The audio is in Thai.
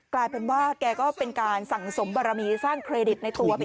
กลายเป็นว่าแกก็เป็นการสั่งสมบารมีสร้างเครดิตในตัวไป